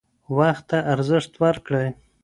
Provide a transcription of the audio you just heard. وخت ته ارزښت ورکړئ.